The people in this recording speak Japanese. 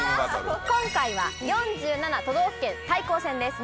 今回は４７都道府県対抗戦です。